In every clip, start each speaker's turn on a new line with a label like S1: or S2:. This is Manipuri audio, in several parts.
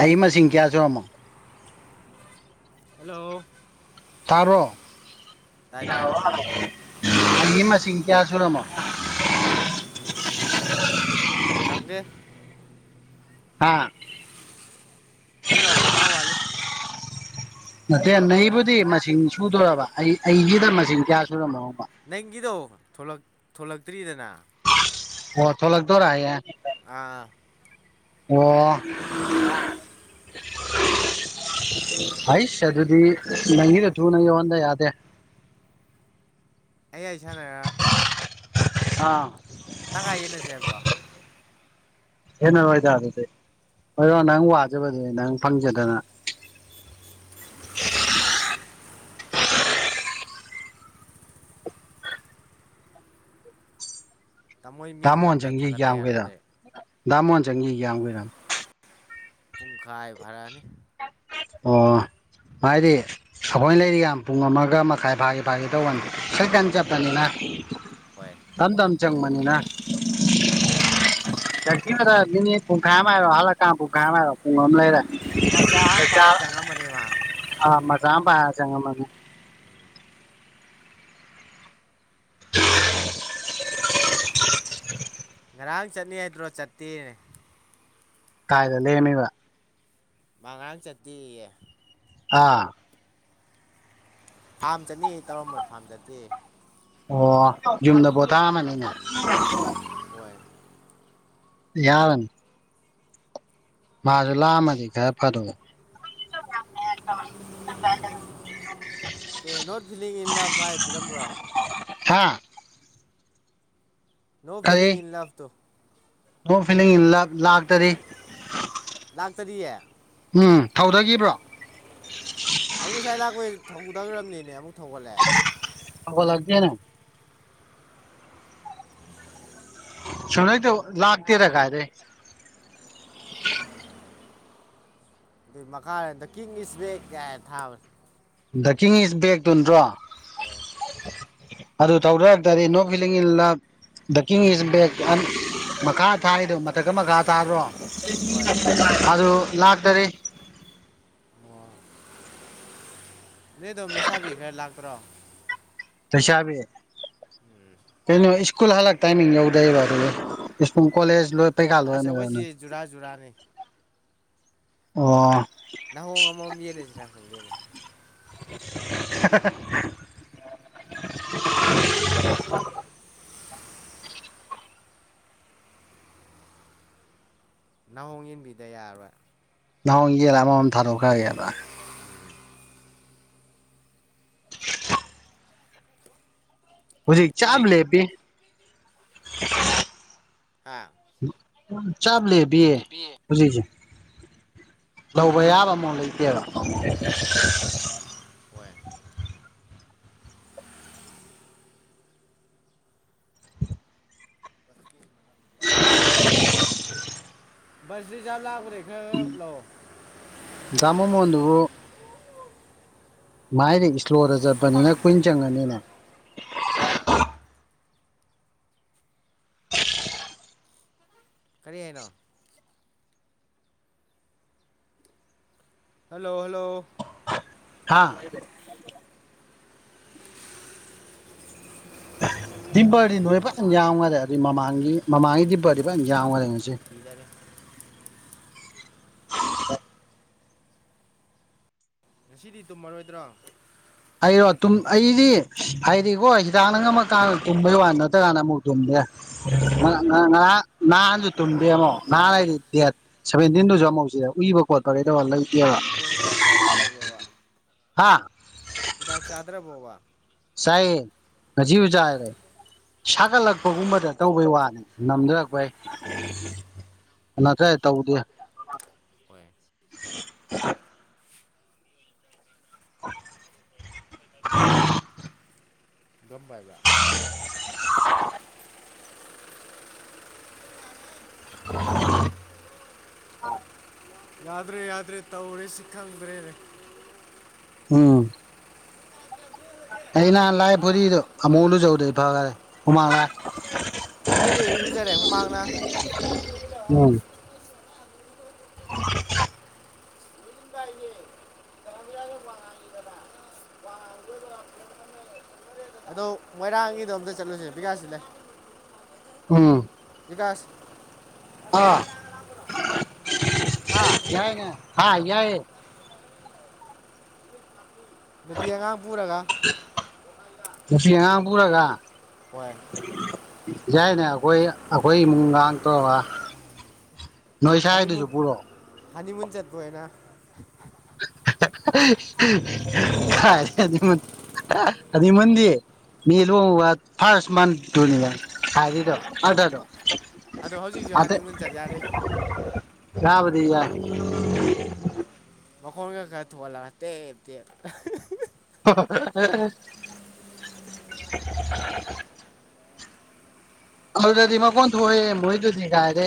S1: ꯑꯩꯒꯤ ꯃꯁꯤꯡ ꯀꯌꯥ ꯁꯨꯔꯃꯃꯣ
S2: ꯍꯜꯂꯣ
S1: ꯇꯥꯕ꯭꯭꯭ꯔꯣ
S2: ꯇꯥꯏ ꯇꯥꯏ
S1: ꯑꯩꯒꯤ ꯃꯁꯤꯡ ꯀꯌꯥ ꯁꯨꯔꯝꯃꯣ
S2: ꯈꯪꯗꯦ
S1: ꯍꯥꯥ
S2: ꯑꯩꯔꯣ ꯃꯉꯥ ꯋꯥꯠꯂꯤ
S1: ꯃꯗꯤ ꯌꯥꯝ ꯅꯕꯨꯗꯤ ꯃꯆ ꯁꯨꯗꯣꯏꯔꯕ ꯑꯩ ꯑꯩꯒꯤꯅ ꯃꯁꯤꯡ ꯀꯌꯥ ꯁꯨꯔꯃꯣ
S2: ꯅꯪꯒꯤꯗꯣ ꯊꯣꯂꯛ ꯊꯣꯂꯛꯇ꯭ꯔꯤꯗꯅ
S1: ꯑꯣ ꯊꯣꯂꯛꯇꯣꯔꯥ ꯍꯌꯦꯡ
S2: ꯑꯥ
S1: ꯑꯣ ꯍꯩꯁ ꯑꯗꯨꯗꯤ ꯅꯪꯒꯤꯗꯣ ꯊꯨꯅ ꯌꯧꯍꯟꯗ ꯌꯥꯗꯦ
S2: ꯑꯩ ꯑꯩ ꯁꯥꯟꯅꯔ
S1: ꯑꯥ
S2: ꯇꯪꯈꯥꯢ ꯌꯦꯟꯅꯁꯦ ꯍꯥꯢꯕ꯭ꯔꯣ
S1: ꯌꯦꯟꯅꯔꯣꯢꯗ ꯑꯗꯨꯗꯤ [unintelligible] ꯅꯪ
S2: ꯀꯩꯗꯧꯋꯦ
S1: ꯋꯥꯖꯦ ꯐꯖꯕꯗꯨꯅꯦ ꯅꯪ ꯐꯝꯖꯗꯅ
S2: ꯇꯥꯃꯣꯏ ꯃꯤꯡ
S1: ꯥꯃꯣꯣꯟ
S2: ꯑꯝꯇ
S1: ꯆꯪꯁꯤ
S2: ꯊꯥꯒꯠꯇ
S1: ꯀꯌꯥꯈꯔ
S2: ꯌꯥꯔꯣꯏꯗꯔꯦ
S1: ꯥꯃꯣꯣꯟ ꯆꯒꯈꯔꯝ
S2: ꯄꯨꯡꯈꯥ ꯍꯥꯏꯚꯔꯅꯤ
S1: ꯑꯣ ꯍꯥꯏꯗꯤ ꯑꯩꯈꯣꯏ ꯂꯩꯔꯤ ꯌꯥꯝ ꯄꯨꯡ ꯑꯃꯒ ꯃꯈꯥꯏ ꯐꯥꯒꯦ ꯐꯥꯒꯦ ꯇꯧꯕꯟꯗꯦ ꯁꯩꯀꯥꯟ
S2: ꯎꯝ
S1: ꯆꯠꯄꯅꯤꯅ
S2: ꯍꯣꯏ
S1: ꯌꯥꯝꯝꯗꯝ ꯆꯪꯕꯅꯤꯅ ꯆꯗ ꯃꯤꯅꯤ ꯄꯨꯡꯈꯥꯏ ꯑꯃ ꯍꯥꯏꯔꯣ ꯍꯜꯂꯛ ꯀꯥ ꯄꯨꯡꯈꯥꯏꯝꯔꯣ ꯄꯨꯡ ꯑꯃ ꯂꯩꯔ
S2: ꯃꯆꯥ ꯑꯃ ꯄꯥꯏ ꯆꯉ ꯃꯅꯦꯃ
S1: ꯄ ꯆꯉ ꯃꯅꯦ
S2: ꯉꯔꯥꯡ ꯆꯠꯅꯤ ꯍꯥꯏꯗ꯭ꯔꯣ ꯆꯠꯇꯦꯅꯦ
S1: ꯀꯥꯏꯗ ꯂꯩꯃꯤꯕ
S2: ꯃꯉꯥꯥꯡ ꯆꯠꯇꯦ
S1: ꯑꯥ
S2: ꯐꯥꯝ ꯆꯠꯅꯤ ꯇꯧꯔꯝꯕ ꯐꯥꯝ ꯆꯠꯇꯦ
S1: ꯑꯣ ꯌꯨꯝꯗ ꯄꯣꯊꯥꯝꯃꯅꯤꯅꯦ
S2: ꯍꯣꯏ
S1: ꯌꯥꯔꯅꯤ ꯃꯥꯁꯨ ꯂꯥꯛꯑꯃꯗꯤ ꯀ ꯐꯔꯒ
S2: okay not feeling in the vibe ꯄꯤꯔꯝꯕ꯭ꯔꯣ
S1: ꯍꯥꯥ
S2: ꯅꯣ ꯐꯤꯂꯤ ꯏꯟ ꯂꯚ ꯇꯣ
S1: ꯑꯣ ꯐꯤ ꯂꯥꯛꯇꯔꯤ
S2: ꯗꯥꯛꯇꯔꯤꯌꯦ
S1: ꯎꯝ ꯊꯧꯗꯈꯤꯕ꯭ꯔꯣ
S2: ꯑꯩ ꯉꯁꯥꯏ ꯂꯥꯛꯄꯣꯏ ꯊꯊꯈ꯭ꯔꯕꯅꯤꯅꯦ ꯑꯃꯨꯛ ꯊꯣꯛꯒꯠꯂꯦ
S1: ꯀꯅ ꯁꯅꯣꯏ ꯇ ꯂꯥꯛꯇꯔꯒꯥꯏꯔꯦ
S2: ꯑꯗꯨ ꯃꯈꯥ ꯏꯁꯕꯦꯛ ꯀ ꯊꯥꯕ
S1: ꯗ ꯀꯤꯡ ꯏꯁ ꯕꯦꯛ ꯇꯨ ꯅꯠꯇ꯭ꯔꯣ
S2: ꯍꯣꯏ
S1: ꯑꯗꯨ ꯇꯧꯗꯛꯇꯗꯤ ꯅꯣꯛ ꯐꯤꯂꯤꯡꯜꯗ ꯗꯀꯤꯡ ꯏꯁ ꯕꯦꯛ ꯃꯈꯥ ꯊꯥꯔꯤꯗꯣ ꯃꯊꯛꯀ ꯃꯈꯥ ꯇꯥꯕ꯭ꯔꯣ
S2: ꯍꯣꯏ
S1: ꯑꯗꯨ ꯂꯥꯛꯇꯥꯔꯦ
S2: ꯅꯗꯣꯝ ꯂꯩꯁꯥꯕꯤ ꯈꯔ ꯂꯥꯛꯇ꯭ꯔꯣ
S1: ꯄꯥꯕꯤ ꯀꯩꯅꯣ ꯁ꯭ꯀꯨꯜ ꯍꯜꯂꯛ ꯇꯥꯏꯃꯤꯡ ꯌꯧꯗꯩꯕ ꯑꯗꯨꯗꯤ ꯁ꯭ꯀꯨꯜ ꯀꯣꯂꯦꯖ ꯂꯣꯏ ꯄꯩꯈꯥ
S2: ꯑꯁ
S1: ꯂꯣꯏꯔꯝꯃꯤꯗꯅ
S2: ꯑꯩꯈꯣꯏꯁꯤ ꯖꯨꯔꯥ ꯖꯨꯔꯥꯅꯤ
S1: ꯑꯣ
S2: ꯅꯅꯥꯍꯣꯡ ꯉꯃꯝ ꯌꯦꯂꯦꯒꯦ
S1: [inaudible]
S2: ꯍꯣꯡ ꯌꯦꯟꯕꯤꯗ ꯌꯥꯔꯣꯏ
S1: ꯅꯣꯡ ꯏꯖꯦꯜ ꯑꯃꯝ ꯊꯥꯔꯣꯀꯥꯏ ꯌꯥꯗ ꯍꯧꯖꯤꯛ ꯆꯥꯕ ꯂꯩꯦ ꯄ
S2: ꯍꯥ
S1: [inaudible] ꯆꯥꯞ ꯂꯦ ꯕꯤꯌꯦ
S2: ꯀꯦꯕꯤ
S1: ꯍꯧꯖꯤꯛꯁꯦ ꯂꯧꯕ ꯌꯥꯕ ꯑꯃꯨ ꯂꯩꯇꯦꯕ
S2: ꯍꯦ
S1: [inaudible]
S2: ꯁꯗꯤ ꯆ
S1: ꯃꯃ ꯑꯗꯨꯕꯨ ꯃꯥꯏꯗꯤ ꯏꯁꯂꯣꯔꯗ ꯆꯠꯄꯅꯤꯅ ꯀꯨꯏꯟ ꯆꯪꯉꯅꯤꯅꯦ
S2: ꯍꯥꯥ ꯀꯔꯤ ꯍꯥꯏꯅꯣ ꯍꯜꯂꯣ ꯍꯜꯂꯣ
S1: ꯍꯥꯥ ꯗꯤꯝꯄꯔꯗꯤ ꯅꯣꯏ ꯐꯖꯅ ꯌꯥꯎꯉꯔꯦ ꯑꯗꯨꯏ ꯃꯃꯥꯡꯒꯤ ꯃꯃꯥꯡꯒꯤ ꯗꯤꯝꯄꯔꯗꯤ ꯐꯖꯅ ꯌꯥꯎꯉꯔꯦ ꯅꯣꯏꯁꯦ
S2: ꯏꯗꯒ
S1: [inaudible]
S2: ꯉꯁꯤꯗꯤ ꯇꯨꯝꯃꯔꯣꯏꯗ꯭ꯔꯣ
S1: ꯍꯥꯏꯔꯣ ꯑꯩꯗꯤ ꯍꯥꯏꯗꯤꯀꯣ ꯍꯤꯗꯥꯛꯅ ꯉꯝꯃꯀꯥꯟꯗ ꯇꯨꯝꯕꯩ ꯋꯥ ꯅꯠꯇ꯭ꯔꯥꯅ ꯑꯃꯨꯛ ꯇꯨꯝꯗꯦ
S2: ꯍꯤꯗꯥꯛ ꯆꯥꯈꯤꯗ꯭ꯔꯕꯣꯕ
S1: ꯅꯍꯥꯟ ꯅꯍꯥꯟꯁꯨ ꯇꯨꯝꯗꯦ ꯑꯃꯣ ꯅꯍꯥꯟ ꯍꯥꯏꯗꯤ ꯗꯦꯠ ꯁꯚꯦꯟꯇꯤꯟꯗꯨꯁꯨ ꯑꯃꯨꯧꯁꯤꯗ ꯎꯕ ꯈꯣꯠꯄ ꯀꯩꯗꯧ ꯋꯥ ꯂꯩ
S2: ꯀ ꯍꯤꯗ ꯆ ꯇ ꯑꯣꯏꯕ꯭ꯔꯣꯕꯥ
S1: ꯍꯥ
S2: ꯏꯥꯛ ꯆꯥꯗ꯭ꯔꯕꯨꯣ ꯋꯥ
S1: ꯆꯥꯏꯌꯦ ꯉꯁꯤꯁꯨ ꯆꯥꯏꯔꯦ ꯁꯥꯒꯠꯂꯛꯄꯒꯨꯝꯕꯗ ꯇꯧꯕꯩ ꯋꯥꯅꯤ ꯅꯝꯊꯔꯛꯄꯩ ꯅꯠꯇ꯭ꯔ ꯇꯧꯗꯦ
S2: ꯍꯣꯏ
S1: [inaudible] [inaudible]
S2: ꯝꯕꯥꯕ
S1: ꯑ
S2: ꯌꯥꯗ꯭ꯔꯦ ꯌꯥꯗ꯭ꯔꯦ ꯇꯧꯔꯦ ꯁꯤ ꯈꯪꯗ꯭ꯔꯦꯔ
S1: ꯎꯝ ꯑꯩꯅꯍ ꯂꯥꯏ ꯐꯔꯤꯗꯣ ꯑꯃꯨꯂꯨ ꯌꯧꯗꯦꯔꯦ ꯍꯨꯃꯥꯡꯂ
S2: ꯑꯩꯈꯣꯏꯗꯤ ꯏꯔꯨꯖꯔꯦ ꯃꯃꯥꯡꯅ
S1: ꯃꯔ
S2: ꯑꯗꯣ ꯃꯣꯏꯔꯥꯡꯒꯤꯗꯣ ꯑꯝꯇ ꯆꯠꯂꯨꯁꯦ ꯕꯤꯀꯁꯤ ꯂꯩ
S1: ꯎꯝ
S2: ꯀꯥꯂꯁ
S1: ꯑ
S2: ꯍꯥ
S1: ꯌꯥꯏꯅꯦ ꯍꯥꯏ ꯌꯥꯏ
S2: ꯗꯤꯌꯥꯒ ꯄꯔꯒ
S1: ꯉꯁꯤ ꯑꯉꯥꯡ ꯄꯨꯔꯒ
S2: ꯋꯥꯏꯟ
S1: ꯌꯥꯏꯅꯦ ꯑꯩꯈꯣꯏ ꯑꯩꯈꯣꯏ ꯏꯃꯨꯡ ꯉꯥꯡ ꯇꯧꯒ ꯅꯣꯏ ꯁ꯭ꯋꯥꯏꯗꯨꯁꯨ
S2: ꯍꯅꯤꯃꯨꯟ
S1: ꯄꯨꯔꯛꯑꯣ
S2: ꯍꯅꯤꯃꯨꯟ ꯆꯠꯄꯣꯏꯅ
S1: ꯍꯥꯏ ꯑꯗꯨꯃꯗꯤ ꯃꯤ ꯂꯨꯕ ꯐꯥꯔꯁ ꯃꯟꯅꯤ ꯍꯥꯏꯔꯤꯗꯣ ꯑꯗꯗꯣ
S2: ꯑꯗ ꯍꯧꯖꯤꯛꯁꯨ ꯍꯥꯟꯅ ꯃꯨꯟ ꯆꯠ ꯌꯥꯔꯦ
S1: ꯌꯕꯗꯤ ꯌꯥ
S2: ꯃꯈꯣꯟꯒ ꯈꯔ ꯊꯣꯛꯍꯜꯂ ꯇꯦ ꯇꯦ
S1: [unintelligible] ꯑꯗꯨꯗꯗꯤ ꯃꯀꯣꯟ ꯊꯣꯛꯑꯦ ꯃꯣꯏꯗꯨꯗꯤ ꯀꯥꯏꯔꯦ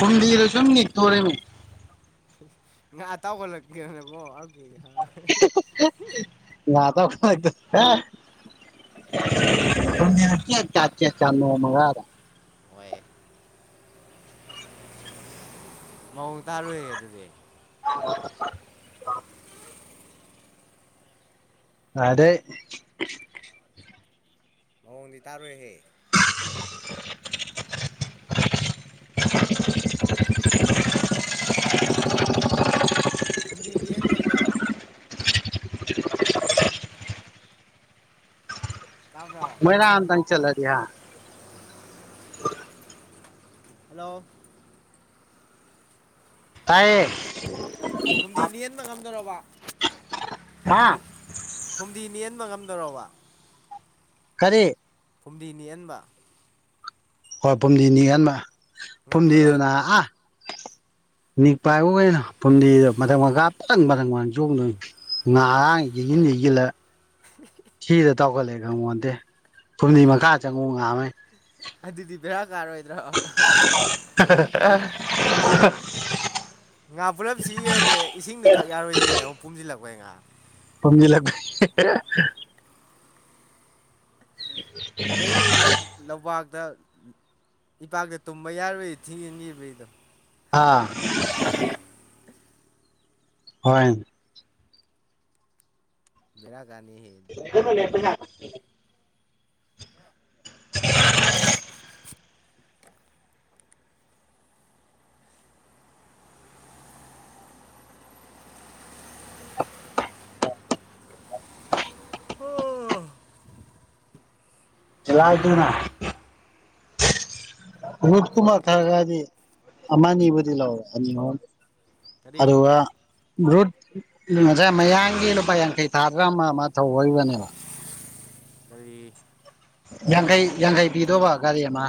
S1: ꯍꯨꯝꯗꯤꯗꯣ ꯁꯨꯝ ꯅꯤ ꯊꯣꯔꯃꯤ
S2: ꯉꯥ ꯇꯥꯎ ꯀꯣꯂꯒꯒꯣ [unintelligible]
S1: ꯆꯥꯆ ꯆ ꯃꯉꯔ [unintelligible]
S2: ꯃꯧ ꯇꯥꯔꯑꯣꯏ ꯑꯗꯨꯗꯤ
S1: [unintelligible] ꯑꯗꯦ
S2: ꯄꯣꯡꯗꯤ ꯇꯥꯔꯣꯏꯍꯦ
S1: [unintelligible]
S2: ꯍꯨꯝꯗꯤꯗꯤꯍꯟ ꯌꯥꯝꯗꯣꯏꯔ
S1: [unintelligible]
S2: ꯇꯥꯕ꯭ꯔꯣ
S1: ꯃꯣꯏꯅꯥ ꯑꯇꯪ ꯆꯂ ꯀꯌꯥ
S2: ꯍꯜꯂꯣ
S1: ꯇꯥꯏꯌꯦ
S2: ꯍꯨꯝꯗꯤ ꯅꯍꯟꯕ ꯉꯝꯗꯔꯕ
S1: ꯍꯥꯥ
S2: ꯐꯨꯝꯗꯤ ꯃꯤꯍꯟꯕ ꯉꯝꯗꯕ
S1: ꯀꯔꯤ
S2: ꯍꯨꯝꯗꯤꯅꯤꯍꯟꯕ
S1: ꯍꯣꯏ ꯄꯨꯝꯗꯤ ꯅꯤꯒꯥꯟꯃ
S2: ꯉꯝꯗꯣꯔꯕ
S1: ꯄꯨꯝꯗꯗꯨꯅ ꯑ ꯅꯤꯛ ꯄꯥꯏꯕ ꯑꯣꯏꯅ ꯐꯨꯝꯗꯤꯗ ꯃꯊꯪ ꯃꯥ ꯄꯊꯪ ꯃꯊꯪ ꯃꯊꯪ ꯆꯣꯡꯗꯣꯏ ꯉꯥꯥꯡ ꯏꯁꯤꯟ ꯏꯁꯤꯜꯂ
S2: [inaudible]
S1: ꯆꯥꯎꯈꯠꯂꯛꯑꯦ ꯈꯪꯉꯣꯟꯗꯦ ꯐꯨꯝꯗꯤ ꯃꯈꯥ ꯆꯪꯉꯨ ꯉꯥꯃꯩ
S2: ꯑꯗꯨꯗꯤ ꯄꯔꯥ ꯀꯔꯣꯏꯗ꯭ꯔꯣ
S1: [inaudible]
S2: ꯉꯥ ꯄꯨꯂꯞ ꯁꯤꯈ꯭ꯔꯗꯤ ꯏꯁꯤꯡꯗꯨ ꯊꯛ ꯌꯥꯔꯣꯏꯗꯣꯏꯅ ꯑꯃꯨꯛ ꯄꯨꯨꯝꯁꯤꯜꯂꯛꯄꯩ ꯉꯥ
S1: ꯊꯅꯤ ꯂꯦ
S2: ꯑꯗꯩ ꯂꯄꯥꯛꯥꯛ ꯑꯗ ꯏꯄꯥꯛꯇ ꯇꯨꯝꯕ ꯌꯥꯔꯣꯏ ꯏ ꯊꯤꯡ ꯏꯟꯈꯤꯕꯩꯗꯣ
S1: ꯍꯥꯥ ꯍꯣꯏ
S2: ꯕꯤꯔ
S1: ꯑꯗꯨ ꯄꯨ
S2: ꯎꯝ
S1: ꯂꯅꯥ ꯔꯨꯗꯀꯨꯃꯔ ꯊꯔꯒꯅꯤ ꯑꯃꯅꯤꯕꯗꯤ ꯂꯑꯣ
S2: ꯀꯔꯤ
S1: ꯑꯗꯨꯒ ꯔꯣꯠ ꯉꯁꯥꯏ ꯃꯌꯥꯡꯒꯤ ꯂꯨꯄꯥ ꯌꯥꯡꯈꯩ ꯊꯥꯗ꯭ꯔꯥ ꯑꯃ ꯑꯃ ꯊꯧꯔꯤꯕꯅꯦꯕ
S2: ꯑꯗꯨ
S1: ꯌꯥꯡꯈꯩ ꯌꯥꯡꯈꯩ ꯄꯤꯗꯧꯕ ꯒꯥꯔꯤ ꯑꯃ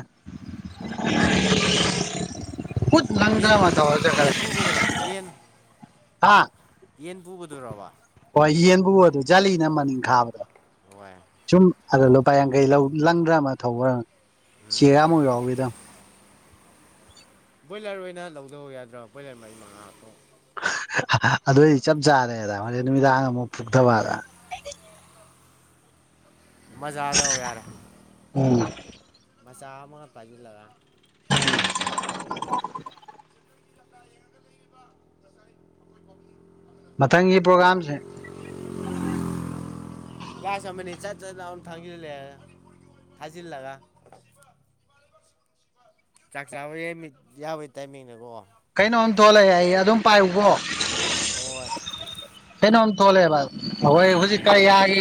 S1: ꯈꯨꯨꯠ
S2: ꯌꯦꯟ
S1: ꯅꯟꯗ꯭ꯔ ꯃꯥ ꯇꯖ ꯀ
S2: ꯌꯦꯟ ꯄꯨꯕꯗꯨꯔꯣ ꯌꯦꯟ
S1: ꯍꯥꯥ
S2: ꯌꯦꯟ ꯄꯨꯒꯗꯣꯏꯕꯥ
S1: ꯍꯣꯏ ꯌꯦꯟꯕꯨ ꯑꯗꯨ ꯖꯥꯠꯂꯤꯅ ꯃꯅꯤꯡ ꯈꯥꯕꯗꯣ
S2: ꯍꯣꯏ
S1: ꯆꯨꯝ ꯄ ꯌꯥꯡꯈꯩ ꯂꯧ ꯂꯪꯗ꯭ꯔꯥ ꯑꯃ ꯊꯧꯕ꯭ꯔ ꯆꯦꯌꯥꯃꯨꯛ ꯌꯥꯎꯋꯦꯗ
S2: ꯕꯣꯏꯂꯔ ꯑꯣꯏꯅ ꯂꯧꯗꯧꯕ ꯌꯥꯗ꯭ꯔꯥ ꯕ꯭ꯔꯣꯏꯂꯔ ꯃꯔꯤ ꯃꯉꯥꯇꯣ
S1: ꯑꯗꯨ ꯑꯩꯗꯤ ꯆꯞ ꯆꯥꯔꯦꯗ ꯍꯣꯔꯦ ꯅꯨꯃꯤꯗꯥꯡ ꯑꯃꯨꯛ ꯗꯕꯥꯗ
S2: ꯍꯣꯏ ꯃꯖꯥꯗ ꯌꯥꯔ
S1: ꯎꯝ
S2: ꯃꯆꯥ ꯑꯃꯒ ꯐꯥꯁꯤꯜꯂꯒ ꯦꯟꯗ꯭ꯔꯣꯕ ꯁꯦꯇꯒꯤ ꯃꯈꯥꯗ ꯁꯦꯇꯒꯤ ꯂꯥꯏꯌꯦꯡꯉꯒ ꯂꯩꯔꯤꯕ ꯉꯁꯥꯏ ꯑꯩꯈꯣꯏ ꯄꯣꯕꯤ
S1: ꯃꯊꯪꯒꯤ ꯄ꯭ꯔꯣꯒꯥꯝꯁꯦ
S2: ꯀꯁ ꯑꯃꯅꯤꯅꯤ ꯆꯠ ꯆꯠ ꯂꯥꯎꯅ ꯊꯥꯡꯕꯤ ꯊꯖꯤꯜ ꯂꯒ ꯆꯥꯛ ꯆ ꯌꯦ ꯌꯥꯕ ꯏ ꯇꯃꯤꯒꯣ
S1: ꯀꯩꯅꯣꯝ ꯊꯣꯛꯣꯂꯛꯑꯦ ꯑꯩ ꯑꯗꯨꯝ ꯄꯥꯏꯕꯣ
S2: ꯍꯣꯏ
S1: ꯀꯩꯅꯣꯝ ꯊꯣꯛꯂꯛꯑꯦꯕ ꯑꯩꯈꯣꯏ ꯍꯧꯖꯤꯛꯀ ꯌꯥꯏ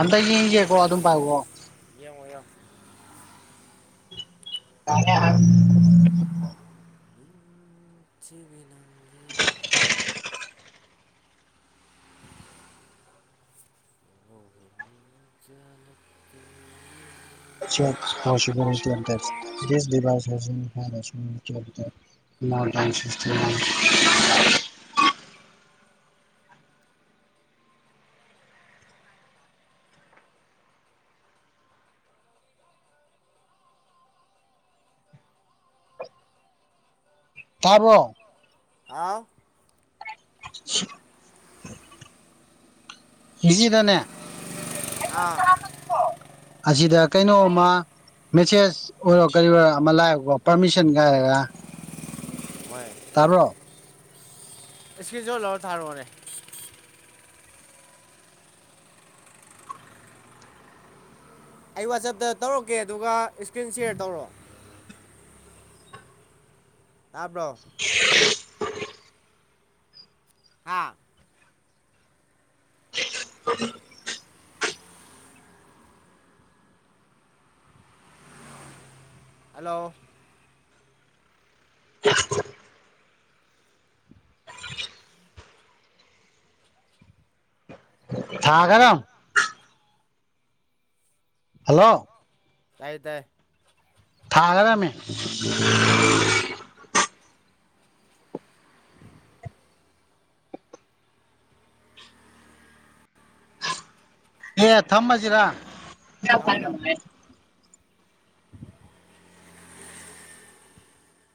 S1: ꯑꯝꯇ ꯌꯦꯡꯒꯦꯀꯣ ꯑꯗꯨꯝ ꯄꯥꯏꯕꯣ
S2: [unintelligible]
S1: [unintelligible]
S2: [unintelligible] [unintelligible]
S1: [unintelligible] [unintelligible] ꯇꯥꯕꯔꯣ
S2: [unintelligible]
S1: [unintelligible]
S2: ꯑꯥ
S1: ꯑꯁꯤꯗ ꯀꯩꯅꯣꯃ ꯃꯦꯁꯦꯁ ꯑꯣꯏꯔꯣ ꯀꯔꯤ ꯑꯣꯏꯔꯣ ꯑꯃ ꯂꯥꯛꯑꯦꯕꯀꯣ ꯄꯥꯔꯃꯤꯁꯟ ꯀꯥꯏꯔꯒ
S2: ꯍꯣꯏ
S1: ꯇꯕꯔꯣ
S2: ꯏꯁꯀꯤꯔꯤꯁꯨ ꯂꯧꯔ ꯊꯥꯔꯨꯔꯑꯣꯅꯦ ꯑꯩ ꯋꯥꯆꯞꯇ ꯇꯧꯔꯛꯀꯦ ꯑꯗꯨꯒ ꯏꯁꯀ꯭ꯔꯤꯟ ꯁꯤꯌꯔ ꯇꯧꯔꯣ ꯇꯥꯕ꯭ꯔꯣ ꯍꯥ
S1: [unintelligible]
S2: ꯍꯜꯂꯣ
S1: [unintelligible] ꯊꯥꯀꯔꯝ ꯍꯜꯂꯣ
S2: ꯇꯥꯏ ꯇꯥꯏ
S1: ꯊꯥꯒꯔꯃꯦ ꯑꯦ ꯊꯝꯃꯁꯤꯔꯥ
S2: ꯊꯝꯃꯣ ꯊꯝꯃꯣ
S1: ꯆꯄꯅꯅꯨꯡꯉ